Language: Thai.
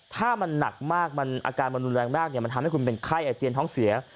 ถ้ามันหนักมากมันอาการมันรุนแรงมากมันทำให้คุณเป็นไข้อาเจียนท้องเสีย